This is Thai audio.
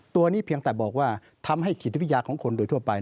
ตัวนี้เพียงแต่บอกว่าทำให้จิตวิทยาของคนโดยทั่วไป